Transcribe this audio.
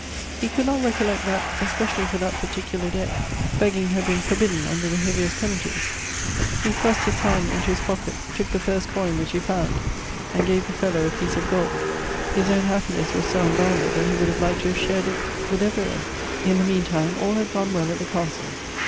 He could not recollect that, especially for that particular day, begging had been forbidden under the heaviest penalties — he thrust his hand into his pocket, took the first coin which he found, and gave the fellow a piece of gold. His own happiness was so unbounded that he would have liked to have shared it with every one. In the mean time all had gone well at the castle.